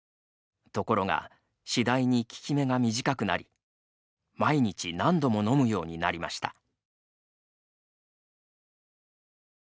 ところが次第に効き目が短くなり毎日、何度ものむようになりました。